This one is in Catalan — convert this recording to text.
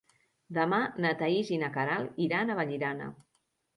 Demà na Thaís i na Queralt iran a Vallirana.